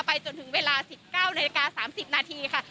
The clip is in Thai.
ไปจนถึงเวลา๑๙นาที๓๐นาทีค่ะ